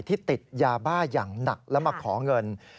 ติดยาบ้าอย่างหนักแล้วมาขอเงิน